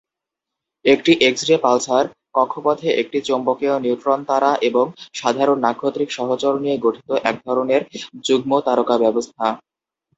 একটি X-ray pulsar, কক্ষপথে একটি চৌম্বকীয় নিউট্রন তারা এবং সাধারণ নাক্ষত্রিক সহচর নিয়ে গঠিত এক ধরনের যুগ্ম তারকা ব্যবস্থা।